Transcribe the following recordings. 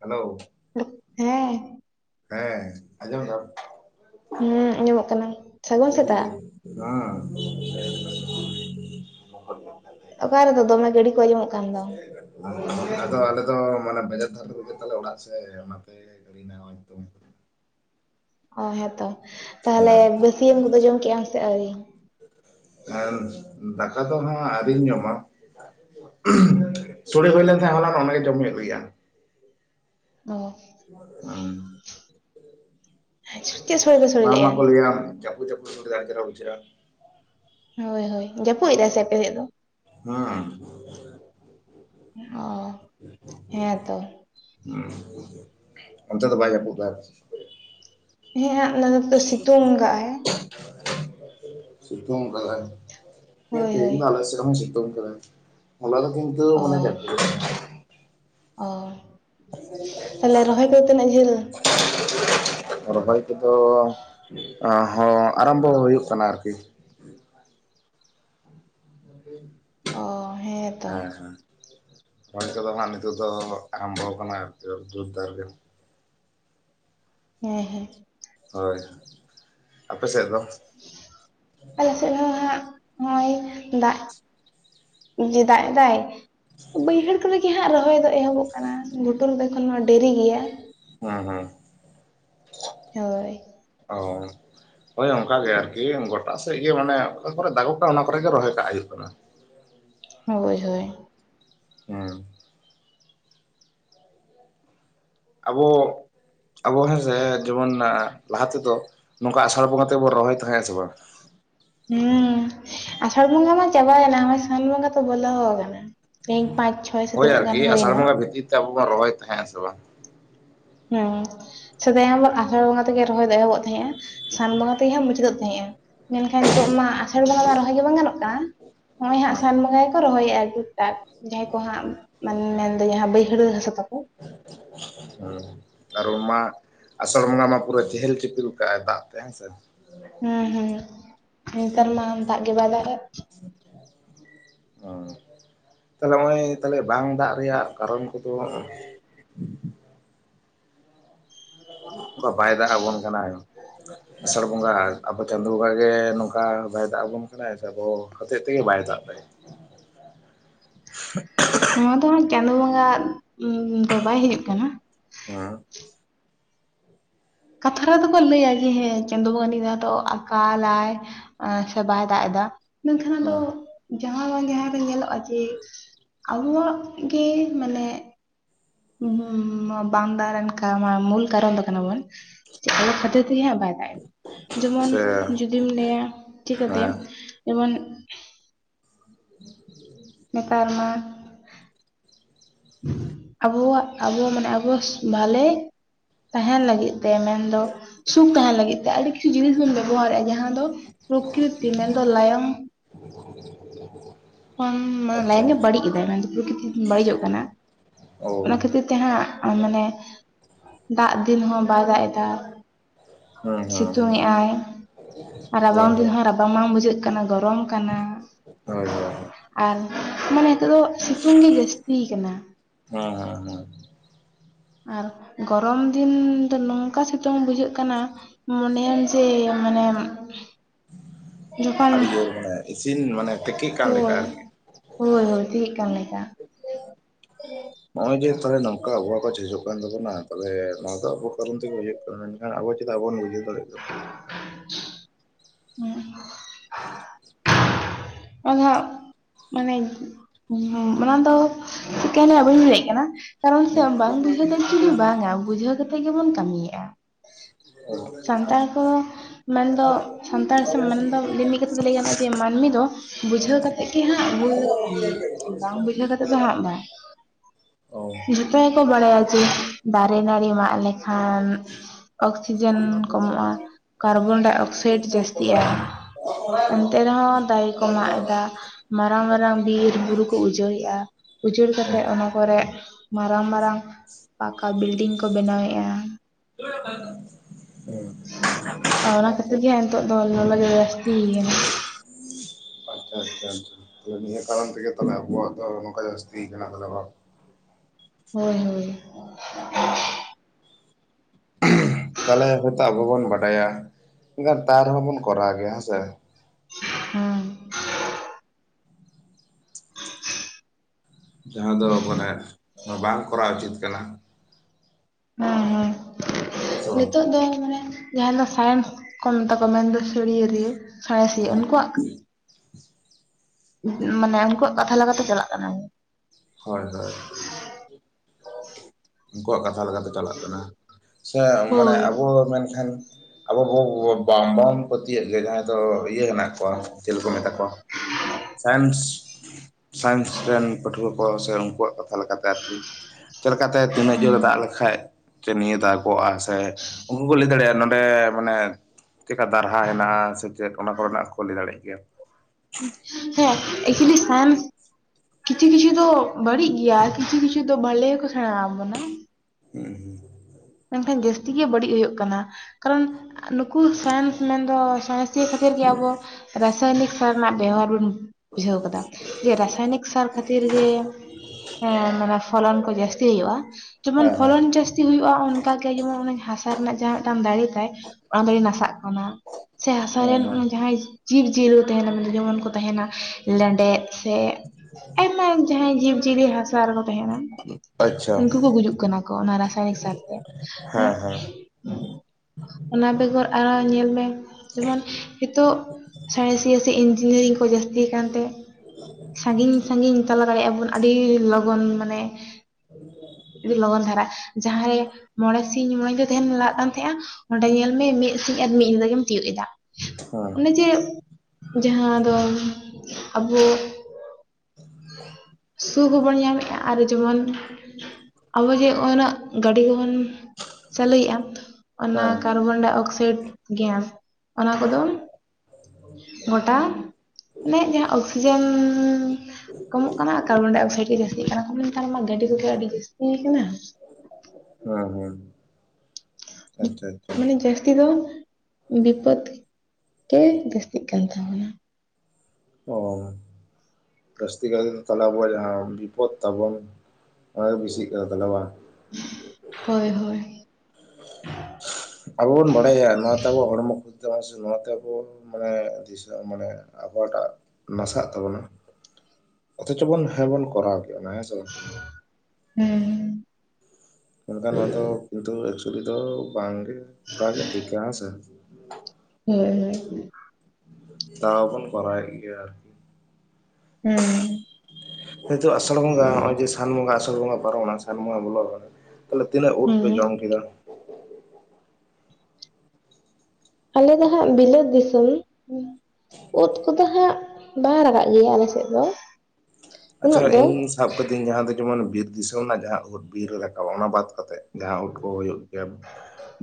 Hello ᱦᱮᱸ ᱦᱮᱸ ᱟᱸᱡᱚᱢ ᱫᱟᱢ ᱦᱮᱸ ᱟᱸᱡᱚᱢᱚᱜ ᱠᱟᱱᱟ ᱥᱟᱹᱜᱩᱱ ᱟᱡᱚᱢ ᱫᱤᱧ ᱥᱮᱛᱟᱜ ᱥᱮ ᱵᱟᱝ [unintelligible] ᱚᱠᱟ ᱨᱮᱫᱚ ᱫᱚᱢᱮ ᱜᱟᱹᱰᱤ ᱠᱚ ᱟᱸᱡᱚᱢᱚᱜ ᱠᱟᱱ ᱫᱚ ᱟᱫᱚ ᱟᱞᱮ ᱫᱚ ᱢᱟᱱᱮ ᱵᱟᱡᱟᱨ ᱫᱷᱟᱨᱮ ᱨᱮᱜᱮ ᱛᱟᱞᱮ ᱚᱲᱟᱜ ᱥᱮ, ᱚᱱᱟᱛᱮ ᱜᱟᱹᱲᱤ ᱨᱮᱱᱟᱜ ᱦᱳᱭᱛᱚ ᱚ ᱦᱮᱸᱛᱚ ᱛᱟᱦᱞᱮ ᱵᱟᱹᱥᱭᱚᱢ ᱠᱚᱫᱚ ᱡᱚᱢ ᱠᱮᱜ-ᱟ ᱥᱮ ᱟᱹᱣᱨᱤ ᱮᱸ ᱫᱟᱠᱟ ᱫᱚ ᱦᱟᱸᱜ ᱟᱹᱣᱨᱤᱧ ᱡᱚᱢᱟ ᱥᱚᱲᱮ ᱦᱩᱭ ᱞᱮᱱ ᱛᱟᱦᱮᱸ ᱦᱚᱞᱟᱱᱚᱜ ᱚᱱᱟᱜᱮ ᱡᱚᱢ ᱦᱩᱭᱩᱜ ᱞᱟᱹᱜᱤᱫ-ᱟ ᱚ ᱚ ᱪᱮᱫ ᱥᱳᱲᱮ ᱯᱮ ᱥᱳᱲᱮ ᱵᱟᱝᱢᱟ ᱞᱮᱜᱼᱟ ᱠᱚ ᱞᱟᱹᱭᱟ ᱡᱟᱹᱯᱩᱫ ᱡᱟᱹᱯᱩᱫ ᱥᱚᱲᱮ ᱫᱚ ᱟᱹᱰᱤ ᱪᱮᱨᱦᱟ ᱵᱩᱡᱷᱟᱹᱜ-ᱟ ᱦᱳᱭ ᱦᱳᱭ ᱡᱟᱹᱯᱩᱫ ᱮᱫᱟᱭ ᱥᱮ ᱟᱯᱮ ᱥᱮᱫ ᱫᱚ ᱦᱮᱸ ᱚ, ᱦᱮᱸᱛᱚ ᱦᱩᱸ, ᱚᱱᱛᱮ ᱫᱚ ᱵᱟᱭ ᱡᱟᱹᱯᱩᱫᱟ ᱟᱨᱠᱤ ᱦᱮᱸ ᱚᱱᱟ [unintelligible] ᱥᱤᱛᱩᱝ ᱠᱟᱜᱼᱟᱭ ᱥᱤᱛᱩᱝ ᱠᱟᱫᱟᱭ ᱦᱮᱸᱭᱟ ᱦᱳᱭ ᱛᱮᱦᱮᱧ ᱦᱳᱭ ᱫᱚ ᱟᱞᱮᱥᱮᱫ ᱦᱚ ᱥᱤ ᱥᱤᱛᱩᱝ ᱠᱟᱫᱟᱭ, ᱦᱚᱞᱟ ᱫᱚ ᱠᱤᱱᱛᱩ ᱚ ᱢᱟᱱᱮ ᱡᱟᱹᱯᱩᱫ [unintelligible] ᱚ, ᱛᱟᱦᱞᱮ ᱨᱚᱦᱚᱭ ᱠᱚ ᱛᱤᱱᱟᱹᱜ ᱡᱷᱟᱹᱞ [unintelligible] ᱨᱚᱦᱚᱭ ᱠᱚᱫᱚ ᱟ-ᱦᱚᱸ ᱟᱨᱟᱢᱵᱚ ᱦᱩᱭᱩᱜ ᱠᱟᱱᱟ ᱟᱨᱠᱤ ᱚ ᱦᱮᱸ ᱛᱚ᱾ [unintelligible] ᱦᱮᱸ-ᱦᱮᱸ᱾ ᱦᱚᱭ ᱟᱯᱮ ᱥᱮᱫ ᱫᱚ? ᱟᱞᱮ ᱥᱮᱫ ᱦᱚ ᱦᱟᱸᱜ ᱱᱚᱜᱼᱚᱭ ᱫᱟᱜ ᱡᱮ ᱫᱟᱜ ᱫᱟᱭ ᱵᱟᱹᱭᱦᱟᱹᱲ ᱠᱚ ᱨᱮ ᱱᱟᱜ ᱨᱚᱦᱚᱭ ᱫᱚ ᱮᱦᱚᱵᱚᱜ ᱠᱟᱱᱟ ᱜᱷᱩᱴᱩ ᱮᱠᱷᱚᱱ ᱦᱚᱸ ᱰᱮᱛᱨᱤ ᱜᱮᱭᱟ᱾ ᱦᱚᱸ ᱦᱚᱸ᱾ ᱦᱚᱭ᱾ ᱚ᱾ ᱦᱚᱭ ᱚᱱᱠᱟ ᱜᱮ ᱟᱨᱠᱤ ᱜᱚᱴᱟ ᱥᱮᱫ ᱜᱮ ᱢᱟᱱᱮ ᱚᱠᱟ ᱠᱚᱨᱮ ᱫᱟᱜᱚᱜ ᱠᱟᱜ ᱚᱱᱟ ᱠᱚᱨᱮ ᱜᱮ ᱨᱚᱦᱚᱭ ᱠᱟᱜ ᱦᱩᱭᱩᱜ ᱠᱟᱱᱟ᱾ ᱦᱚᱭ-ᱦᱚᱭ᱾ ᱦᱩᱸ ᱟᱵᱚ ᱟᱵᱚ ᱦᱮᱸᱥᱮ ᱡᱮᱢᱚᱱ᱾ ᱞᱟᱦᱟ ᱛᱮᱫᱚ ᱱᱚᱝᱠᱟ ᱟᱥᱟᱲ ᱵᱚᱸᱜᱟ ᱛᱮᱵᱚᱱ ᱨᱚᱦᱚᱭ ᱛᱟᱦᱮᱸᱜ-ᱟ ᱥᱮ ᱵᱟᱝ? ᱦᱩᱸᱻᱻ ᱟᱥᱟᱲ ᱵᱚᱸᱜᱟ ᱢᱟ ᱪᱟᱵᱟᱭᱱᱟ ᱱᱚᱜᱼᱚᱭ ᱥᱟᱱ ᱵᱚᱸᱜᱟ ᱛᱚ ᱵᱚᱞᱚ ᱦᱟᱠᱟᱱᱟ ᱛᱮᱦᱮᱧ ᱯᱟᱸᱪ ᱪᱷᱚ ᱼᱼ ᱦᱚᱭ ᱟᱨᱠᱤ ᱟᱥᱟᱲ ᱵᱚᱸᱜᱟ ᱵᱷᱤᱛᱤᱨ ᱛᱮ ᱟᱵᱚ ᱵᱚᱱ ᱨᱚᱦᱚᱭ ᱛᱟᱦᱮᱸᱜᱼᱟ ᱥᱮ ᱵᱟᱝ? ᱦᱩᱸ᱾ ᱥᱮᱫᱟᱭ ᱟᱵᱚᱱ ᱟᱥᱷᱟᱲ ᱵᱚᱸᱜᱟ ᱛᱮᱜᱮ ᱨᱚᱦᱚᱭ ᱫᱚ ᱮᱦᱚᱵᱚᱜ ᱛᱟᱦᱮᱸᱜᱼᱟ᱾ ᱥᱟᱱ ᱵᱚᱸᱜᱟ ᱛᱮᱜᱮ ᱦᱟᱸᱜ ᱢᱩᱪᱟᱹᱫᱚᱜ ᱛᱟᱦᱮᱸᱜᱼᱟ। ᱢᱮᱱᱠᱷᱟᱱ ᱱᱤᱛᱚᱜ ᱢᱟ ᱟᱥᱟᱲ ᱵᱚᱸᱜᱟ ᱢᱟ ᱨᱚᱦᱚᱭ ᱜᱮ ᱵᱟᱝ ᱜᱟᱱᱚᱜ ᱠᱟᱱᱟ ᱱᱚᱜᱼᱚᱭ ᱦᱟᱸᱜ ᱦᱮᱸ ᱥᱟᱱ ᱵᱚᱸᱜᱟ ᱜᱮᱠᱚ ᱨᱚᱦᱚᱭᱼᱟ᱾ ᱡᱟᱦᱟᱸᱭ ᱠᱚ ᱦᱟᱸᱜ ᱢᱟᱱᱮ ᱢᱮᱱᱫᱚ ᱡᱟᱦᱟᱸ ᱵᱟᱹᱭᱦᱟᱹᱲ ᱦᱟᱹᱥᱩ ᱛᱟᱠᱚ᱾ ᱚ᱾ ᱟᱨ ᱩᱱ ᱢᱟ ᱟᱥᱟᱲ ᱵᱚᱸᱜᱟ ᱢᱟ ᱯᱩᱨᱟᱹ ᱪᱮᱦᱮᱞ ᱪᱮᱯᱮᱞ ᱠᱟᱜᱟᱭ ᱫᱟᱜ ᱛᱮ ᱦᱮᱸ ᱥᱮ? ᱦᱩᱸ ᱦᱩᱸ ᱱᱮᱛᱟᱨ ᱢᱟ ᱫᱟᱜ ᱜᱮ ᱵᱟᱭ ᱫᱟᱜᱮᱫ। [inaudible] ᱚᱻ ᱛᱟᱦᱞᱮ ᱱᱚᱜᱼᱚᱭ ᱛᱟᱦᱞᱮ ᱵᱟᱝ ᱫᱟᱜ ᱨᱮᱭᱟᱜ ᱠᱟᱨᱚᱱ ᱠᱚᱫᱚ ᱼᱼ ᱚᱱᱠᱟ ᱵᱟᱭ ᱫᱟᱜ ᱟᱵᱚᱱ ᱠᱟᱱᱟ ᱟᱥᱟᱲ ᱼᱼ ᱵᱚᱸᱜᱟ ᱟᱵᱚ ᱪᱟᱸᱫᱚ ᱵᱚᱸᱜᱟ ᱜᱮ ᱱᱚᱝᱠᱟ ᱵᱟᱭ ᱫᱟᱜ ᱟᱵᱚᱱ ᱠᱟᱱᱟᱭ ᱥᱮ ᱟᱵᱚ ᱦᱚᱛᱮᱫ ᱛᱮᱜᱮ ᱵᱟᱭ ᱫᱟᱜ ᱮᱫᱟᱭ? [inaudible] ᱱᱚᱣᱟ ᱫᱚ ᱦᱟᱸᱜ ᱪᱟᱸᱫᱚ ᱵᱚᱸᱜᱟ ᱫᱚ ᱵᱟᱭ ᱦᱩᱭᱩᱜ ᱠᱟᱱᱟ। ᱦᱚᱸ᱾ ᱠᱟᱛᱷᱟ ᱨᱮᱫᱚ ᱠᱚ ᱞᱟᱹᱭᱟ ᱡᱮ ᱦᱮᱸ ᱪᱟᱸᱫᱚ ᱵᱚᱸᱜᱟ ᱱᱤᱭᱟᱹ ᱫᱷᱟᱣ ᱫᱚ ᱟᱠᱟᱻ ᱞᱟᱭ। ᱟᱪᱪᱷᱟ ᱵᱟᱭ ᱫᱟᱜ ᱮᱫᱟ ᱢᱮᱱᱠᱷᱟᱱ ᱟᱫᱚ ᱦᱩᱸ ᱼᱼ ᱡᱟᱦᱟᱸ ᱵᱟᱝ ᱡᱟᱦᱟᱸᱨᱮ ᱧᱮᱞᱚᱜᱼᱟ ᱡᱮ ᱟᱵᱚᱣᱟᱜ ᱜᱮ ᱢᱟᱱᱮ ᱼᱼ [unintelligible] ᱡᱟᱦᱟᱸ ᱞᱮᱠᱟ ᱛᱮᱜᱮ ᱦᱟᱸᱜ ᱵᱟᱭ ᱫᱟᱜ ᱼᱼ ᱡᱮᱢᱚᱱ ᱥᱮ ᱡᱩᱫᱤᱢ ᱞᱟᱹᱭᱟ ᱦᱮᱸ ᱪᱤᱠᱟᱹᱛᱮ ᱡᱮᱢᱚᱱ ᱼᱼ ᱱᱮᱛᱟᱨ ᱢᱟ ᱟᱵᱚᱣᱟᱜ ᱟᱵᱚ ᱢᱟᱱᱮ ᱟᱵᱚ ᱵᱷᱟᱞᱮ ᱛᱟᱦᱮᱱ ᱞᱟᱹᱜᱤᱫ ᱛᱮ ᱢᱮᱱᱫᱚ᱾ ᱥᱩᱠᱷ ᱛᱟᱦᱮᱱ ᱞᱟᱹᱜᱤᱫ ᱛᱮ ᱟᱹᱰᱤ ᱠᱤᱪᱷᱩ ᱡᱤᱱᱤᱥ ᱵᱚᱱ ᱵᱮᱵᱚᱦᱟᱨᱮᱼᱟ ᱡᱟᱦᱟᱸ ᱫᱚ ᱯᱨᱚᱠᱨᱤᱛᱤ ᱢᱮᱱᱫᱚ ᱞᱟᱭᱚᱢ [inaudible] [inaudible] ᱟᱪᱪᱷᱟ [unintelligible] ᱚᱱᱟ ᱚ ᱠᱷᱟᱹᱛᱤᱨ ᱛᱮ ᱦᱟᱸᱜ ᱢᱟᱱᱮ ᱫᱟᱜ ᱫᱤᱱ ᱦᱚᱸ ᱵᱟᱭ ᱫᱟᱜ ᱮᱫᱟ। ᱦᱩᱸ ᱦᱩᱸ ᱦᱩᱸ ᱥᱤᱛᱩᱝᱮᱜ-ᱟᱭ᱾ ᱨᱟᱵᱟᱝ ᱦᱳᱭ ᱦᱳᱭ ᱫᱤᱱ ᱦᱚᱸ ᱨᱟᱵᱟᱝ ᱵᱟᱝ ᱵᱩᱡᱷᱟᱹᱜ ᱠᱟᱱᱟ ᱜᱚᱨᱚᱢ ᱦᱳᱭ ᱦᱳᱭ ᱠᱟᱱᱟ। ᱟᱨ ᱢᱟᱱᱮ ᱱᱤᱛᱚᱜ ᱫᱚ ᱥᱤᱛᱩᱝ ᱜᱮ ᱡᱟᱹᱥᱛᱤ ᱟᱠᱟᱱᱟ। ᱦᱚᱸ ᱦᱚᱸ ᱦᱚᱸ᱾ ᱟᱨ ᱜᱚᱨᱚᱢ ᱫᱤᱱ ᱫᱚ ᱱᱚᱝᱠᱟ ᱥᱤᱛᱩᱝ ᱵᱩᱡᱷᱟᱹᱜ ᱠᱟᱱᱟ ᱾ ᱢᱚᱱᱮᱭᱟᱢ ᱡᱮ ᱢᱟᱱᱮ ᱡᱚᱠᱷᱚᱱ ᱟᱹᱰᱤ ᱡᱳᱨ ᱢᱟᱱᱮ ᱤᱥᱤᱱ ᱢᱟᱱᱮ ᱛᱤᱠᱤᱜ ᱠᱟᱱ ᱞᱮᱠᱟ ᱦᱳᱭ ᱟᱨᱠᱤ ᱾ ᱦᱳᱭ ᱦᱳᱭ ᱛᱤᱠᱤᱜ ᱠᱟᱱ ᱞᱮᱠᱟ। ᱱᱚᱜᱼᱚᱭ ᱡᱮ ᱪᱟᱞᱟᱣ ᱮᱱ ᱱᱚᱝᱠᱟ ᱚᱱᱟ ᱠᱚ ᱪᱮᱸᱡᱚᱜ ᱠᱟᱱ ᱛᱟᱵᱚᱱᱟ ᱛᱟᱦᱚᱞᱮ ᱱᱚᱣᱟ ᱫᱚ ᱟᱵᱚ ᱠᱟᱨᱚᱱ ᱛᱮᱜᱮ ᱦᱩᱭᱩᱜ ᱠᱟᱱᱟ ᱢᱮᱱᱠᱷᱟᱱ ᱟᱵᱚ ᱪᱮᱫᱟᱜ ᱵᱟᱵᱚᱱ ᱵᱩᱡᱷᱟᱹᱣ ᱫᱟᱲᱮᱭᱟᱜ ᱠᱟᱱᱟ? [inaudible] ᱦᱩᱸ ᱾ ᱚᱦᱚᱸᱜ [inaudible] ᱢᱟᱱᱮ ᱦᱩᱸ ᱚᱱᱟ ᱫᱚ ᱪᱤᱠᱟᱹᱭᱱᱟ ᱦᱟᱸᱜ ᱵᱟᱹᱧ ᱞᱟᱹᱭᱮᱫ [unintelligible] ᱠᱟᱱᱟ ᱠᱟᱨᱚᱱ ᱥᱮ ᱵᱟᱝ ᱵᱩᱡᱷ ᱠᱤᱱᱛᱩ ᱮᱠᱪᱩᱣᱮᱞᱤ ᱵᱟᱝᱟ ᱵᱩᱡᱷᱟᱹᱣ ᱠᱟᱛᱮᱫ ᱜᱮᱵᱚᱱ ᱠᱟᱹᱢᱤᱜᱼᱟ। ᱥᱟᱱᱛᱟᱲ ᱠᱚ ᱢᱮᱱᱫᱚ ᱥᱟᱱᱛᱟᱲ ᱥᱮ ᱢᱮᱱ ᱫᱚ ᱢᱤ-ᱢᱤᱫ ᱠᱟᱛᱷᱟ ᱫᱚ ᱞᱟᱹᱭ ᱜᱟᱱᱚᱜᱼᱟ ᱡᱮ ᱢᱟᱹᱱᱢᱤ ᱫᱚ ᱵᱩᱡᱷᱟᱹᱣ ᱠᱟᱛᱮᱫ ᱜᱮ ᱦᱟᱸᱜ ᱵᱷᱩᱞ ᱫᱚᱠᱚ ᱠᱟᱹᱢᱤᱭᱟ, ᱵᱟᱝ ᱵᱩᱡᱷᱟᱹᱣ ᱠᱟᱛᱮᱫ ᱫᱚ ᱦᱟᱸᱜ ᱵᱟᱝ। ᱡᱚᱛᱚ ᱜᱮᱠᱚ ᱵᱟᱲᱟᱭᱟ ᱡᱮ ᱫᱟᱨᱮ ᱱᱟᱹᱲᱤ ᱢᱟᱜ ᱞᱮᱠᱷᱟᱱ ᱚᱠᱥᱤᱡᱮᱱ ᱠᱚᱢᱚᱜᱼᱟ, ᱠᱟᱨᱵᱚᱱᱰᱟᱭ ᱚᱠᱥᱟᱭᱤᱰ ᱡᱟᱹᱥᱛᱤᱜᱼᱟ ᱾ ᱮᱱᱛᱮ ᱨᱮᱦᱚᱸ ᱫᱟᱨᱮ ᱠᱚ ᱢᱟᱜ ᱮᱫᱟ। ᱢᱟᱨᱟᱝ ᱢᱟᱨᱟᱝ ᱵᱤᱨ-ᱵᱩᱨᱩ ᱠᱚ ᱩᱡᱟᱹᱣ ᱮᱜᱼᱟ ᱾ ᱩᱡᱟᱹᱲ ᱠᱟᱛᱮᱜ ᱚᱱᱟ ᱠᱚᱨᱮ ᱢᱟᱨᱟᱝ ᱢᱟᱨᱟᱝ ᱯᱟᱠᱟ ᱵᱤᱞᱰᱤᱝ ᱠᱚ ᱵᱮᱱᱟᱣᱮᱜᱼᱟ। [unintelligible] ᱚ ᱟᱨ ᱚᱱᱟ ᱟᱪᱪᱷᱟ ᱠᱷᱟᱹᱛᱤᱨ ᱜᱮ ᱦᱟᱸᱜ ᱱᱤᱛᱚᱜ ᱫᱚ ᱞᱚᱞᱚ ᱫᱚ ᱡᱟᱹᱥᱛᱤᱠᱟᱱᱟ। ᱟᱪᱪᱷᱟ ᱟᱪᱪᱷᱟ। ᱱᱤᱭᱟᱹ ᱠᱟ ᱠᱟᱨᱚᱱ ᱛᱮᱜᱮ ᱛᱟᱦᱚᱞᱮ ᱟᱵᱚᱣᱟᱜ ᱫᱚ ᱱᱚᱝᱠᱟ ᱡᱟᱹᱥᱛᱤ ᱟᱠᱟᱱᱟ [unintelligible] ᱦᱳᱭ ᱦᱳᱭ। ᱛᱟᱞᱦᱮ, ᱦᱳᱭᱛᱚ ᱟᱵᱚ ᱵᱚᱱ ᱵᱟᱰᱟᱭᱟ, ᱮᱱᱠᱷᱟᱱ ᱛᱟᱨ ᱨᱮᱦᱚᱸ ᱵᱚᱱ ᱠᱚᱨᱟᱣ ᱜᱮᱭᱟ ᱦᱮᱸᱥᱮ। ᱦᱩᱸ। ᱡᱟᱦᱟᱸ ᱫᱚ ᱵᱚᱞᱮ ᱵᱟᱝ ᱠᱚᱨᱟᱣ ᱩᱪᱤᱛ ᱠᱟᱱᱟ᱾ ᱦᱮᱸ ᱦᱮᱸ ᱦᱮᱸ ᱥᱮ ᱵᱟᱝ ᱱᱤᱛᱚᱜ ᱫᱚ ᱢᱟᱱᱮ ᱡᱟᱦᱟᱸ ᱫᱚ ᱥᱟᱭᱮᱱᱥ ᱠᱚ ᱢᱮᱛᱟ ᱠᱚᱣᱟ ᱢᱮᱱ ᱫᱚ ᱥᱟ. ᱨᱭᱟᱹᱲᱤᱭᱟ ᱥᱟᱬᱮᱥᱤᱭᱟᱹ ᱦᱮᱸ ᱩᱱᱠᱩᱣᱟᱜ ᱢᱟᱱᱮ ᱩᱱᱠᱩᱣᱟᱜ ᱠᱟᱛᱷᱟ ᱞᱮᱠᱟ ᱛᱮ ᱪᱟᱞᱟᱜ ᱠᱟᱱᱟ ᱵᱚ। ᱦᱳᱭ ᱦᱳᱭ, ᱩᱱᱠᱩᱣᱟᱜ ᱠᱟᱛᱷᱟ ᱞᱮᱠᱟ ᱛᱮ। ᱪᱟᱞᱟᱜ ᱠᱟᱱᱟ। ᱥᱮ ᱢᱟᱱᱮ ᱦᱳᱭ ᱟᱵᱚ ᱢᱮᱱᱠᱷᱟᱱ ᱟᱵᱚ ᱫᱚ ᱵᱟᱝᱵᱚᱱ ᱯᱟᱹᱛᱭᱟᱹᱜ ᱜᱮ। ᱡᱟᱦᱟᱸᱭ ᱫᱚ ᱤᱭᱟᱹ ᱦᱮᱱᱟᱜ ᱠᱚᱣᱟ, ᱪᱤᱞᱤ ᱠᱚ ᱢᱮᱛᱟ ᱠᱚᱣᱟ ᱥᱟᱭᱮᱱᱥ, ᱥᱟᱭᱮᱱᱥ ᱨᱮᱱ ᱯᱟᱹᱴᱷᱩᱣᱟᱹ [unintelligible] ᱥᱮ ᱩᱱᱠᱩᱣᱟᱜ ᱠᱟᱛᱷᱟ ᱞᱮᱠᱟ ᱛᱮ ᱟᱨᱠᱤ, ᱪᱮᱫ ᱞᱮᱠᱟᱛᱮ ᱛᱤᱱᱟᱹᱜ ᱦᱮᱸ ᱡᱳᱨ ᱮ ᱫᱟᱜ ᱞᱮᱠᱷᱟᱡ ᱼᱼ ᱪᱮᱫ ᱱᱤᱭᱟᱹ ᱫᱟᱜᱚᱜᱼᱟ ᱥᱮ ᱩᱱᱠᱩ ᱠᱚ ᱞᱟᱹᱭ ᱫᱟᱲᱮᱭᱟᱜᱼᱟ, ᱱᱚᱰᱮ ᱢᱟᱱᱮ ᱼᱼ ᱪᱮᱫᱠᱟ ᱫᱟᱨᱦᱟ ᱦᱮᱱᱟᱜᱼᱟ, ᱥᱮ ᱪᱮᱫ ᱚᱱᱟ ᱠᱚᱨᱮᱱᱟᱜ ᱠᱚ ᱞᱟᱹᱭ ᱫᱟᱲᱮᱭᱟᱜ ᱜᱮᱭᱟ। ᱦᱮᱸ, ᱮᱠᱪᱩᱭᱮᱞᱤ ᱥᱟᱭᱮᱱᱥ ᱠᱤᱪᱷᱩ ᱠᱤᱪᱷᱩ ᱫᱚ ᱵᱟᱹᱲᱤᱡ ᱜᱮᱭᱟ᱾ ᱠᱤᱪᱷᱩ ᱠᱤᱪᱷᱩ ᱫᱚ ᱵᱷᱟᱞᱮ ᱜᱮᱠᱚ ᱥᱮᱬᱟ ᱟᱵᱚᱱᱟ। ᱦᱩᱸ ᱦᱩᱸ। ᱢᱮᱱᱠᱷᱟᱱ ᱡᱟᱹᱥᱛᱤ ᱜᱮ ᱵᱟᱹᱲᱤᱡ ᱦᱳᱭᱳᱜ ᱠᱟᱱᱟ। ᱠᱟᱨᱚᱱ, ᱱᱩᱠᱩ ᱥᱟᱭᱮᱱᱥ ᱢᱮᱱᱫᱚ ᱥᱟᱭᱮᱱᱥ ᱼᱼ ᱪᱮᱫ ᱠᱷᱟᱹᱛᱤᱨ ᱜᱮ ᱟᱵᱚ ᱨᱟᱥᱟᱭᱱᱤᱠ ᱥᱟᱨ ᱨᱮᱱᱟᱜ ᱵᱮᱣᱦᱟᱨ ᱵᱚᱱ ᱼᱼ ᱵᱩᱡᱷᱟᱹᱣ ᱠᱟᱫᱟ। ᱡᱮ ᱨᱟᱥᱟᱭᱱᱤᱠ ᱥᱟᱨ ᱠᱷᱟᱹᱛᱤᱨ ᱜᱮ, ᱮᱸ ᱢᱟᱱᱮ ᱯᱷᱚᱞᱚᱱ ᱠᱚ ᱡᱟᱹᱥ ᱼᱼ ᱛᱤ ᱦᱩᱭᱩᱜᱼᱟ, ᱡᱮᱢᱚᱱ ᱦᱮᱸ ᱦᱮᱸ ᱯᱷᱚᱞᱚᱱ ᱡᱟᱹᱥᱛᱤ ᱦᱩᱭᱩᱜᱼᱟ, ᱚᱱᱠᱟᱜᱮ ᱡᱮᱢᱚᱱ ᱚᱱᱟ ᱦᱟᱥᱟ ᱨᱮᱱᱟᱜ ᱡᱟᱦᱟᱸ ᱢᱤᱫᱴᱟᱝ ᱫᱟᱲᱮ ᱛᱟᱭ, ᱚᱱᱟ ᱫᱚᱨᱮ ᱱᱟᱥᱟᱜ ᱠᱟᱱᱟ। ᱥᱮ ᱦᱟᱥᱟ ᱦᱮᱸ ᱨᱮᱱ ᱦᱮᱸ ᱡᱟᱦᱟᱸᱭ ᱡᱤᱵᱽ ᱡᱤᱭᱟᱹᱞᱤ ᱛᱟᱦᱮᱱᱟ ᱡᱮᱢᱚᱱ ᱠᱚ ᱛᱟᱦᱮᱱᱟ, ᱞᱮᱸᱰᱮᱛ ᱥᱮ ᱟᱭᱢᱟ ᱡᱟᱦᱟᱸᱭ ᱡᱤᱵᱽ ᱡᱤᱭᱟᱹᱞᱤ ᱦᱟᱥᱟ ᱨᱮᱦᱚᱸ ᱼᱼ ᱛᱟᱦᱮᱱᱟ, ᱟᱪᱪᱷᱟ ᱩᱱᱠᱩ ᱠᱚ ᱜᱩᱡᱩᱜ ᱠᱟᱱᱟ ᱠᱚ, ᱚᱱᱟ ᱨᱟᱥᱟᱭᱚᱱᱤᱠ ᱥᱟᱨ ᱛᱮ। ᱦᱮᱸ [inaudible] ᱚᱱᱟ ᱵᱮᱜᱚᱨ ᱟᱨ ᱧᱮᱞ ᱢᱮ, ᱡᱮᱢᱚᱱ ᱦᱮᱸᱛᱳᱜ ᱼᱼ ᱥᱟᱬᱮᱥᱤᱭᱟᱹ ᱥᱮ ᱤᱧᱡᱤᱱᱤᱭᱟᱨᱤᱝ ᱠᱚ ᱡᱟᱹᱥᱛᱤ ᱠᱟᱱᱛᱮ ᱼᱼ ᱥᱟᱺᱜᱤᱧ ᱥᱟᱺᱜᱤᱧ ᱛᱟᱞᱟ ᱫᱟᱲᱮᱭᱟᱜᱼᱟ ᱵᱚᱱ ᱟᱹᱰᱤ ᱞᱚᱜᱚᱱ ᱢᱟᱱᱮ ᱼᱼ [inaudible] ᱟᱹᱰᱤ ᱞᱚᱜᱚᱱ ᱫᱷᱟᱨᱟ। ᱡᱟᱦᱟᱸ ᱨᱮ ᱢᱚᱬᱮ ᱥᱤᱧ ᱢᱚᱬᱮ ᱧᱤᱫᱟᱹ ᱛᱟᱦᱮᱱ ᱞᱟᱜᱟᱜ ᱠᱟᱱ ᱛᱟᱦᱮᱸᱜᱼᱟ ᱱᱚᱸᱰᱮ ᱧᱮᱞ ᱢᱮ, ᱢᱤᱫ ᱥᱤᱧ ᱟᱨ ᱢᱤᱫ ᱧᱤᱫᱟᱹ ᱜᱮᱢ ᱛᱤᱭᱳᱜ ᱮᱫᱟ, ᱦᱮᱸ ᱚᱱᱮ ᱡᱮ ᱼᱼ ᱡᱟᱦᱟᱸ ᱫᱚ ᱟᱵᱚ [inaudible] ᱥᱩᱠᱷ ᱦᱚᱸᱵᱚᱱ ᱧᱟᱢᱮᱜᱼᱟ, ᱟᱨ ᱡᱮᱢᱚᱱ ᱟᱵᱚ ᱡᱮ ᱩᱱᱟᱹᱜ ᱜᱟᱹᱰᱤ ᱠᱚᱵᱚᱱ ᱼᱼ ᱪᱟᱹᱞᱩᱭᱮᱫᱼᱟ। ᱚᱱᱟ ᱦᱮᱸ ᱠᱟᱨᱵᱚᱱᱰᱟᱭ ᱚᱠᱥᱟᱭᱤᱰ ᱜᱮᱥ, ᱚᱱᱟ ᱠᱚᱫᱚ ᱜᱚᱴᱟ, ᱢᱟᱱᱮ ᱡᱟᱦᱟᱸ ᱚᱠᱥᱤᱡᱮᱱ ᱻ ᱠᱷᱚᱱᱟᱜ ᱠᱟᱨᱵᱚᱱᱰᱟᱭ ᱚᱠᱥᱟᱭᱤᱰ ᱜᱮ ᱡᱟᱹᱥᱛᱤ ᱠᱟᱱᱟ। [unintelligible] ᱱᱮᱛᱟᱨ ᱢᱟ ᱜᱟᱹᱰᱤ ᱠᱚ ᱜᱮ ᱟᱹᱰᱤ ᱡᱟᱹᱥᱛᱤ ᱠᱟᱱᱟ। ᱦᱮᱸ ᱦᱮᱸ। ᱟᱪᱪᱷᱟ ᱟᱪᱪᱷᱟ ᱢᱟᱱᱮ ᱡᱟᱹᱥᱛᱤ ᱫᱚ ᱼᱼ ᱵᱤᱯᱚᱫ ᱛᱚ ᱡᱟᱹᱥᱛᱤᱜ ᱠᱟᱱ ᱛᱟᱵᱚᱱᱟ। ᱚ। ᱡᱟᱹᱥᱛᱤ ᱠᱟᱭ ᱛᱮ, ᱛᱟᱞᱦᱮ ᱟᱵᱚᱣᱟᱜ ᱡᱟᱦᱟᱸ ᱵᱤᱯᱚᱫ ᱛᱟᱵᱚᱱ, ᱚᱱᱟ ᱜᱮ ᱵᱮᱥᱤᱜ ᱠᱟᱱᱟ ᱛᱟᱦᱟᱞᱮ ᱵᱟᱝ? ᱦᱳᱭ ᱦᱳᱭ। [inaudible] ᱟᱵᱚ ᱵᱚᱱ ᱵᱟᱲᱟᱭᱟ, ᱱᱚᱣᱟᱛᱮ ᱟᱵᱚ ᱦᱚᱲᱢᱚ ᱠᱷᱚᱛᱤ ᱛᱟᱵᱚᱱᱟ, ᱥᱮ ᱱᱚᱣᱟᱛᱮ ᱟᱵᱚ ᱢᱟᱱᱮ ᱪᱟ ᱢᱟᱱᱮ ᱟᱵᱚᱦᱟᱜ ᱴᱟᱜ ᱱᱟᱥᱟᱜ ᱛᱟᱵᱚᱱᱟ ᱚᱛᱷᱚᱪᱚ ᱵᱚᱱ ᱦᱮᱸ ᱵᱚᱱ ᱠᱚᱨᱟᱣ ᱠᱮᱜᱼᱟ, ᱦᱮᱸ ᱵᱟᱝ ᱦᱮᱸ ᱾ ᱚᱱᱠᱟ ᱱᱚᱣᱟ ᱫᱚ ᱠᱤᱱᱛᱩ ᱮᱠᱪᱩᱭᱟᱞᱤ ᱫᱚ ᱵᱟᱝᱜᱮ ᱠᱚᱨᱟᱣ ᱜᱮ ᱴᱷᱤᱠᱟ ᱦᱮᱸ ᱥᱮ ᱾ ᱦᱳᱭ ᱦᱳᱭ ᱾ ᱛᱟᱣ ᱦᱚᱸ ᱵᱚᱱ ᱠᱚᱨᱟᱣ ᱮᱫ ᱜᱮᱭᱟ ᱟᱨᱠᱤ ᱾ ᱦᱩᱸ ᱾ ᱱᱤᱛᱚᱜ ᱟᱥᱟᱲ ᱵᱚᱸᱜᱟ ᱱᱚᱜᱼᱚᱭ ᱡᱮ ᱥᱟᱱ ᱵᱚᱸᱜᱟ ᱟᱥᱟᱲ ᱵᱚᱸᱜᱟ ᱯᱟᱨᱚᱢᱱᱟ ᱥᱟᱱ ᱵᱚᱸᱜᱟ ᱵᱚᱞᱚᱜ ᱟᱠᱟᱱᱟ ᱾ ᱛᱟᱦᱚᱞᱮ ᱛᱤᱱᱟᱹᱜ ᱳᱫ ᱯᱮ ᱦᱩᱸ ᱡᱚᱢ ᱠᱮᱫᱟ? ᱟᱞᱮ ᱫᱚ ᱦᱟᱜ ᱵᱤᱞᱟᱹᱛ ᱫᱤᱥᱚᱢ ᱾ ᱳᱫ ᱠᱚᱫᱚ ᱦᱟᱸᱜ ᱵᱟᱝ ᱨᱟᱠᱟᱵ ᱜᱮᱭᱟ, ᱟᱞᱮ ᱥᱮᱫ ᱫᱚ ᱾ ᱟᱪᱪᱷᱟ ᱾ ᱤᱧ ᱥᱟᱵ ᱠᱟᱹᱫᱤᱧ ᱡᱟᱦᱟᱸ ᱫᱚ ᱡᱮᱢᱚᱱ ᱵᱤᱨ ᱫᱤᱥᱚᱢ ᱱᱟᱜ ᱡᱟᱦᱟᱸ ᱳᱫ ᱵᱤᱨ ᱨᱮ ᱨᱟᱠᱟᱵᱟ ᱚᱱᱟ ᱵᱟᱫ ᱠᱟᱛᱮ ᱡᱟᱦᱟᱸ ᱳᱫ ᱠᱚ ᱦᱳᱭᱳᱜ ᱜᱮᱭᱟ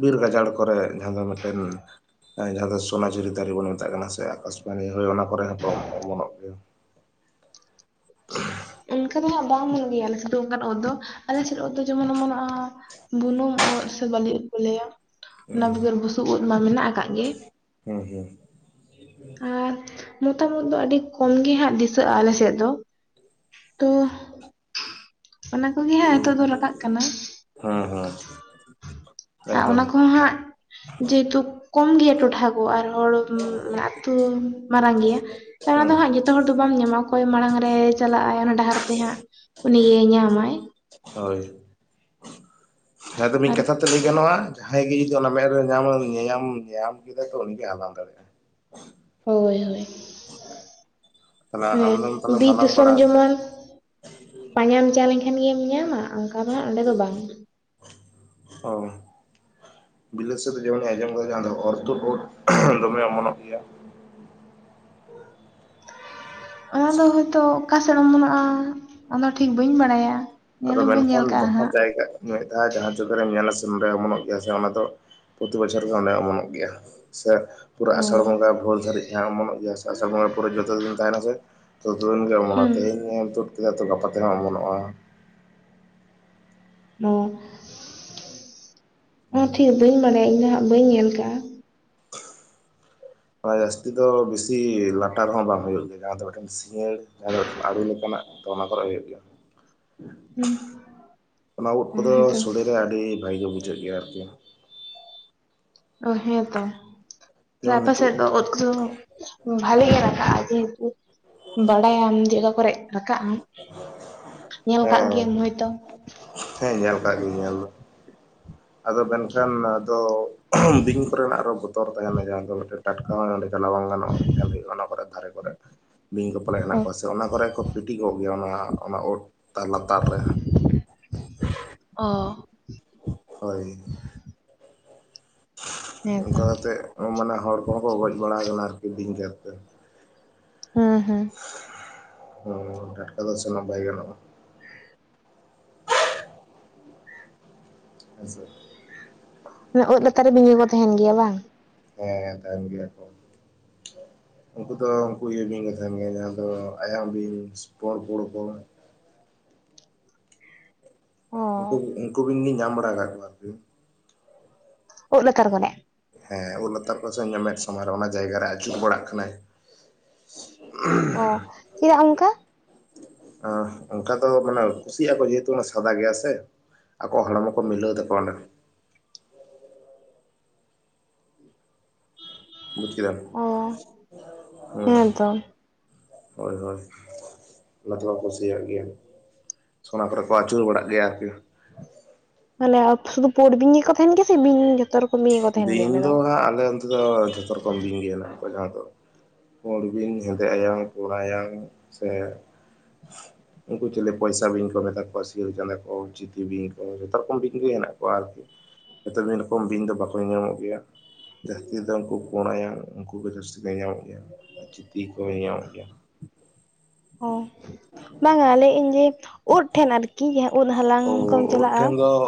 ᱵᱤᱨ ᱜᱟᱡᱟᱲ ᱠᱚᱨᱮ ᱾ ᱡᱟᱦᱟᱸ ᱫᱚ ᱢᱤᱫᱴᱮᱱ ᱡᱟᱦᱟᱸ ᱫᱚ ᱥᱚᱱᱟᱡᱷᱩᱨᱤ ᱫᱟᱨᱮ ᱵᱚᱱ ᱢᱮᱛᱟᱜ ᱠᱟᱱᱟ ᱥᱮ ᱟᱠᱟᱥᱵᱟᱱᱤ ᱦᱳᱭ ᱚᱱᱟ ᱠᱚᱨᱮ ᱦᱚᱸ ᱠᱚ ᱚᱢᱚᱱᱚᱜ ᱜᱮᱭᱟ ᱾ [inaudible] ᱚᱱᱠᱟ ᱫᱚ ᱦᱟᱸᱜ ᱵᱟᱝ ᱧᱮᱞᱚ ᱜᱮᱭᱟ ᱟᱞᱮ ᱥᱮᱫ ᱫᱚ ᱚᱱᱠᱱᱟᱜ ᱳᱫ ᱫᱚ ᱟᱞᱮ ᱥᱮᱫ ᱳᱫ ᱫᱚ ᱡᱮᱢᱚᱱ ᱚᱢᱚᱱᱚᱜᱼᱟ ᱾ ᱵᱩᱱᱩᱝ ᱳᱫ, ᱥᱮ ᱵᱟᱹᱞᱤ ᱳᱫ, ᱠᱚ ᱞᱟᱹᱭᱟ ᱚᱱᱟ ᱦᱩᱸ ᱵᱮᱜᱚᱨ ᱵᱩᱥᱩᱵ ᱳᱫ ᱢᱟ ᱢᱮᱱᱟᱜ ᱟᱠᱟᱫ ᱜᱮ ᱾ ᱦᱮᱸ ᱦᱮᱸ ᱾ ᱟᱨ ᱢᱚᱛᱟᱢ ᱳᱫ ᱫᱚ ᱟᱹᱰᱤ ᱠᱚᱢ ᱜᱮ ᱦᱟᱸᱜ ᱫᱤᱥᱟᱹᱜᱼᱟ ᱟᱞ ᱥᱮᱫ ᱫᱚ ᱾ ᱛᱚ ᱚᱱᱟ ᱠᱚᱜᱮ ᱦᱟᱸᱜ ᱱᱤᱛᱚᱜ ᱫᱚ ᱨᱟᱠᱟᱜ ᱠᱟᱱᱟ ᱾ ᱦᱮᱸ ᱦᱮᱸ ᱾ ᱟᱨ ᱚᱱᱟ ᱠᱚᱦᱚᱸ ᱦᱟᱸᱜ ᱡᱮᱦᱮᱛᱩ ᱠᱚᱢ ᱜᱮᱭᱟ ᱴᱚᱴᱷᱟ ᱠᱚ ᱟᱨ ᱦᱚᱲ ᱟᱹᱛᱩ ᱢᱟᱨᱟᱝ ᱜᱮᱭᱟ ᱛᱚ ᱚᱱᱟ ᱦᱩᱸ ᱫᱚ ᱦᱟᱸᱜ ᱡᱚᱛᱚ ᱦᱚᱲ ᱫᱚ ᱵᱟᱢ ᱧᱟᱢᱟᱼᱟ ᱚᱠᱚᱭ ᱢᱟᱲᱟᱝ ᱨᱮ ᱪᱟᱞᱟᱜ ᱟᱭ ᱚᱱᱟ ᱰᱟᱦᱟᱨ ᱛᱮ ᱦᱟᱸᱜ ᱩᱱᱤ ᱜᱮ ᱧᱟᱢᱟᱭ ᱾ ᱦᱳᱭ ᱾ ᱦᱮᱸ ᱛᱚ ᱢᱤᱫ ᱟᱨ ᱠᱟᱛᱷᱟ ᱛᱮ ᱞᱟᱹᱭ ᱜᱟᱱᱚᱜᱼᱟ ᱡᱟᱦᱟᱸᱭ ᱜᱮ ᱡᱩᱫᱤ ᱚᱱᱟ ᱢᱮᱫ ᱨᱮ ᱧᱟᱢ ᱧᱟᱢ ᱧᱟᱢ ᱠᱮᱫᱟ ᱛᱚ ᱩᱱᱤᱜᱮᱭ ᱦᱟᱞᱟᱝ ᱫᱟᱲᱮᱭᱟᱜᱼᱟ ᱾ ᱦᱳᱭ ᱦᱳᱭ ᱾ ᱛᱟᱦᱚᱞᱮ ᱦᱮᱸ ᱟᱢᱫᱚᱢ ᱾ ᱛᱟᱦᱚᱞᱮᱢ ᱵᱤᱨ ᱦᱟᱞᱟᱝ ᱫᱤᱥᱚᱢ ᱵᱟᱲᱟ ᱡᱮᱢᱚᱱ ᱾ ᱯᱟᱸᱡᱟᱢ ᱪᱟ ᱞᱮᱠᱷᱟᱱ ᱜᱮᱢ ᱧᱟᱢᱟ ᱚᱱᱠᱟ ᱫᱚ ᱦᱟᱼᱜ ᱚᱸᱰᱮ ᱫᱚ ᱵᱟᱝ ᱾ ᱦᱚᱭ ᱾ ᱵᱤᱞᱟᱹᱛ ᱥᱮ ᱡᱮᱢᱚᱱᱤᱧ ᱟᱸᱡᱚᱢ ᱠᱟᱫᱟ ᱚᱨᱷᱚ ᱛᱳᱫ ᱳᱫ ᱫᱚᱢᱮ ᱚᱢᱚᱱᱚᱜ ᱜᱮᱭᱟ ᱾ ᱚᱱᱟ ᱫᱚ ᱦᱳᱭᱛᱳ ᱚᱠᱟ ᱥᱮᱫ ᱚᱢᱚᱱᱚᱜᱼᱟ ᱚᱱᱟ ᱴᱷᱤᱠ ᱵᱟᱹᱧ ᱵᱟᱲᱟᱭᱟ? ᱧᱮᱞ ᱟᱫᱚ ᱦᱚᱸ ᱵᱟᱹᱧ ᱢᱮᱱᱠᱷᱟᱱ ᱧᱮᱞ ᱠᱟᱜ-ᱟ ᱡᱟᱦᱟᱸ ᱦᱟᱸᱜ ᱡᱟᱭᱜᱟ ᱢᱤᱫ ᱫᱷᱟᱣ ᱡᱟᱦᱟᱸ ᱡᱟᱭᱜᱟ ᱨᱮᱢ ᱧᱮᱞᱟ ᱥᱮ ᱚᱢᱚᱱᱚᱜ ᱜᱮᱭᱟ ᱥᱮ ᱚᱱᱟ ᱫᱚ ᱯᱨᱚᱛᱤ ᱵᱚᱪᱷᱚᱨ ᱜᱮ ᱚᱸᱰᱮ ᱚᱢᱚᱱᱚᱜ ᱜᱮᱭᱟ ᱥᱮ ᱯᱩᱨᱟᱹ ᱚ ᱟᱥᱟᱲ ᱵᱚᱸᱜᱟ ᱵᱷᱳᱨ ᱫᱷᱟᱹᱨᱤᱡ ᱡᱟᱦᱟᱸ ᱚᱢᱚᱱᱚᱜ ᱜᱮᱭᱟ ᱥᱮ ᱟᱥᱟᱲ ᱵᱚᱸᱜᱟ ᱯᱩᱨᱟᱹ ᱡᱚᱛᱚ ᱫᱤᱱ ᱛᱟᱦᱮᱱᱟ ᱥᱮ ᱛᱚ ᱫᱷᱤᱱᱟᱹᱱ ᱜᱮ ᱚᱢᱚᱱᱚᱜ-ᱟ, ᱦᱩᱸ ᱛᱮᱦᱤᱧ ᱧᱮᱞ ᱛᱩᱫ ᱠᱮᱫᱟ ᱛᱚ ᱜᱟᱯᱟ ᱛᱮᱦᱚᱸ ᱚᱢᱚᱱᱚᱜᱼᱟ ᱾ ᱚ ᱴᱷᱤᱠ ᱵᱟᱹᱧ ᱦᱮᱸ ᱴᱷᱤᱠ ᱵᱟᱹᱧ ᱵᱟᱰᱟᱭᱟ, ᱤᱧ ᱫᱚ ᱦᱟᱸᱜ ᱵᱟᱹᱧ ᱧᱮᱞ ᱠᱟᱜᱼᱟ᱾ ᱚᱱᱟ ᱡᱟᱹᱥᱛᱤ ᱫᱚ ᱵᱤᱥᱤ ᱞᱟᱴᱟ ᱨᱮᱦᱚᱸ ᱵᱟᱝ ᱦᱩᱭᱩᱜ ᱜᱮᱭᱟ ᱡᱟᱦᱟᱸ ᱫᱚ ᱢᱤᱫᱴᱮᱱ ᱥᱤᱭᱟᱺᱛ᱾ ᱡᱟᱦᱟᱸ ᱫᱚ ᱟᱹᱬᱩ ᱞᱮᱠᱟᱱᱟᱜ ᱛᱚ ᱚᱱᱟ ᱠᱚᱨᱜ ᱦᱩᱭᱩᱜ ᱜᱮᱭᱟ᱾ ᱦᱩᱸ ᱚᱱᱟ ᱩᱫ ᱚ ᱠᱚᱫᱚ ᱦᱮᱸᱛᱚ ᱥᱚᱲᱮ ᱨᱮ ᱟᱹᱰᱤ ᱵᱷᱟᱜᱤ ᱜᱮ ᱵᱩᱡᱷᱟᱹᱜ ᱜᱮᱭᱟ ᱟᱨᱠᱤ᱾ ᱚ ᱦᱮᱸ ᱛᱚ, ᱡᱮ ᱡᱮᱢᱚᱱ ᱟᱯᱮ ᱱᱤᱛᱚᱜ ᱥᱮᱫ ᱫᱚ ᱩᱫ ᱠᱚᱫᱚ ᱵᱷᱟᱞᱤ ᱜᱮ ᱨᱟᱠᱟᱜ-ᱟ, ᱡᱮᱦᱮᱛᱩ ᱵᱟᱲᱟᱭᱟᱢ ᱡᱟᱭᱜᱟ ᱠᱚᱨᱮᱫ ᱨᱟᱠᱟᱵ ᱟᱢ, ᱧᱮᱞ ᱠᱟᱫ ᱜᱮᱭᱟᱢ ᱦᱮᱸ ᱦᱚᱳᱭᱛᱳ ᱾ ᱦᱮᱸ ᱧᱮᱞ ᱠᱟᱜ ᱜᱤᱭᱟᱹᱧ ᱧᱮᱞ ᱫᱚ᱾ ᱟᱫᱚ ᱢᱮᱱᱠᱷᱟᱱ ᱟᱫᱚ ᱵᱤᱧ, ᱵᱤᱧ ᱠᱚᱨᱮᱱᱟᱜ ᱟᱨᱚ ᱵᱚᱛᱚᱨ ᱛᱟᱦᱮᱱᱟ ᱡᱟᱦᱟᱸ ᱫᱚ ᱢᱤᱫᱴᱮᱱ ᱴᱟᱴᱠᱟ ᱦᱚᱲ ᱚᱸᱰᱮ ᱪᱟᱞᱟᱣ ᱵᱟᱝ ᱜᱟᱱᱚᱜᱼᱟ ᱧᱮᱞ ᱦᱩᱭᱩᱜᱼᱟ ᱚᱱᱟ ᱠᱚᱨᱮ ᱫᱷᱟᱨᱮ ᱠᱚᱨᱮ᱾ ᱵᱤᱧ ᱠᱚ ᱯᱟᱞᱮᱛ ᱚ ᱦᱮᱱᱟᱜ ᱠᱚᱣᱟ ᱥᱮ ‌ᱚᱱᱟ ᱠᱚᱨᱮ ᱫᱚ ᱠᱚ ᱯᱤᱴᱤ ᱠᱚᱜ ᱜᱮᱭᱟ ᱚᱱᱟ ᱳᱫ ᱛᱟᱨ ᱞᱟᱛᱟᱨ ᱨᱮ᱾ ᱚ ᱾ ᱦᱳᱭ ᱦᱮᱸᱛᱚ ᱚᱱᱴᱝᱠᱟ ᱠᱟᱛᱮᱫ ᱢᱟᱱᱮ ᱦᱚᱲ ᱠᱚᱦᱚᱸ ᱠᱚ ᱜᱚᱡᱽ ᱵᱟᱲᱟ ᱠᱟᱱᱟ ᱟᱨᱠᱤ ᱵᱤᱧ ᱜᱮᱨᱛᱮ᱾ ᱦᱮᱸ ᱦᱮᱸ ᱦᱚᱸ ᱴᱟᱴᱠᱟ ᱫᱚ ᱥᱮᱱᱚᱜ ᱵᱟᱭ ᱜᱟᱱᱚᱜ-ᱟ᱾ ᱦᱮᱸᱥᱮ ᱳᱫ ᱞᱟᱛᱟᱨ ᱨᱮ ᱵᱤᱧ ᱠᱚ‌‌ ᱠᱚ ᱛᱟᱸᱦᱮᱱ ᱜᱮᱭᱟ ᱵᱟᱝ? ᱦᱮᱸ ᱛᱟᱸᱦᱮᱱ ᱜᱮᱭᱟ ᱠᱚ᱾ ᱩᱝᱠᱩ ᱫᱚ ᱩᱝᱠᱩ ᱤᱭᱟᱹ ᱵᱤᱧ ᱠᱚ ᱛᱟᱸᱦᱮᱱ ᱜᱮᱭᱟ ᱡᱟᱦᱟᱸ ᱫᱚ ᱟᱭᱟᱝ ᱵᱤᱧ ᱯᱚᱬ ᱯᱚᱬ ᱠᱚ᱾ ᱚ ᱩᱜᱠᱩ, ᱩᱝᱠᱩ ᱵᱤᱱ ᱞᱤᱧ ᱧᱟᱢ ᱵᱟᱲᱟ ᱟᱠᱟᱫ ᱠᱚᱣᱟ ᱟᱨᱠᱤ᱾ ᱩᱫ ᱞᱟᱛᱟᱨ ᱠᱟᱫᱟᱭ ᱦᱮᱸ ᱩᱫ ᱞᱟᱛᱟᱨ ᱯᱟᱥᱮ ᱧᱟᱢᱮᱫ ᱥᱟᱢᱟᱝ ᱨᱮ ᱚᱱᱟ ᱡᱟᱭᱜᱟ ᱨᱮ ᱟᱹᱪᱩᱨ ᱵᱟᱲᱟᱜ ᱠᱟᱱᱟᱭ᱾ ᱚ ᱪᱮᱫᱟᱜ ᱚᱱᱠᱟ? ᱚᱸ, ᱚᱱᱠᱟ ᱫᱚ ᱢᱟᱱᱮ ᱠᱩᱥᱤᱭᱟᱜᱼᱟ ᱠᱚ ᱡᱮᱦᱮᱛᱩ ᱚᱱᱟ ᱥᱟᱫᱟ ᱜᱮᱭᱟ ᱥᱮ᱾ ᱟᱠᱚᱣᱟᱜ ᱦᱚᱲᱢᱚ ᱠᱚ ᱢᱤᱞᱟᱹᱣ ᱛᱟᱠᱚᱭᱟ ᱚᱸᱰᱮ ᱠᱷᱚᱱ ᱵᱩᱡᱽ ᱠᱮᱫᱟᱢ ᱚ ᱦᱚᱸ ᱦᱮᱸᱛᱳ ᱦᱳᱭ ᱦᱳᱭ᱾ ᱚᱱᱟ ᱛᱮᱠᱚ ᱠᱩᱥᱤᱭᱟᱜ ᱜᱮᱭᱟ ᱥᱚᱱᱟ ᱠᱚᱨᱮ ᱠᱚ ᱟᱹᱪᱩᱨ ᱵᱟᱲᱟᱜ ᱜᱮᱭᱟ ᱟᱨᱠᱤ᱾ ᱢᱟᱱᱮ ᱥᱩᱫᱩ ᱯᱩᱸᱰ ᱵᱤᱧ ᱜᱮᱠᱚ ᱛᱟᱦᱮᱱ ᱜᱮᱭᱟ ᱥᱮ ᱵᱤᱧ‌ᱢᱤᱧ ᱡᱚᱛᱚ ᱨᱚᱠᱚᱢ ᱜᱮᱠᱚ ᱛᱟᱦᱮᱱ ᱜᱮᱭᱟ ᱵᱤᱧ ᱚᱸᱰᱮ ᱫᱚ ᱦᱟᱸᱜ ᱟᱞᱮ ᱚᱱᱛᱮ ᱫᱚ ᱡᱷᱚᱛᱚ ᱨᱚᱠᱚᱢ ᱵᱤᱧ ᱜᱮ ᱦᱮᱱᱟᱜ ᱠᱚᱣᱟ ᱡᱟᱦᱟᱸ ᱫᱚ ᱦᱚᱲ ᱵᱤᱱ ᱦᱮᱸᱫᱮ ᱟᱭᱟᱝ ᱯᱳᱰ ᱟᱭᱟᱝ ᱥᱮᱼᱼ ᱩᱱᱠᱩ ᱪᱤᱞᱤ ᱯᱚᱭᱥᱟ ᱵᱤᱧ ᱠᱚ ᱢᱮᱛᱟ ᱠᱚᱣᱟ ᱥᱤᱭᱟᱹᱲ ᱪᱟᱸᱫᱟ ᱠᱚ, ᱪᱤᱛᱤ ᱵᱤᱧ ᱠᱚ ᱡᱚᱛᱚ ᱨᱚᱠᱚᱢ ᱵᱤᱧ ᱜᱮ ᱦᱮᱱᱟᱜ ᱠᱚᱣᱟ ᱟᱨᱠᱤ᱾ ᱡᱚᱛᱚ ᱫᱴᱢᱤᱫ ᱨᱚᱠᱚᱢ ᱵᱤᱧ ᱫᱚ ᱵᱟᱠᱚᱜ ᱜᱮᱭᱟ ᱡᱟᱹᱦᱟᱸ ᱛᱤᱥ ᱫᱚ ᱩᱱᱠᱩ ᱯᱚᱲᱟᱭᱟᱝ ᱩᱱᱠᱩ ᱜᱮ ᱡᱟᱹᱥᱛᱤ ᱫᱚ ᱧᱮᱧᱟᱢᱚᱜ ᱜᱮᱭᱟ ᱟᱨ ᱪᱤᱛᱤ ᱠᱚ ᱧᱮᱧᱟᱢᱚᱜ ᱜᱮᱭᱟ᱾ ᱦᱳᱭ, ᱵᱟᱝᱟ ᱞᱟᱹᱭᱮᱜ ᱟᱹᱧ ᱡᱮ ᱳᱫ ᱴᱷᱮᱱ ᱟᱨᱠᱤ ᱡᱟᱦᱟᱸ ᱳᱫ ᱦᱟᱞᱟᱝ ᱠᱚᱢ ᱳᱫ ᱪᱟᱞᱟᱜᱼᱟ᱾ ᱴᱷᱮᱱ ᱫᱚ